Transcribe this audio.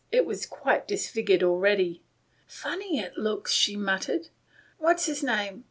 It was quite disfigured already. " Funny it looks," she muttered. "What's his name?